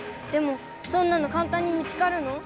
でもそんなのかんたんに見つかるの？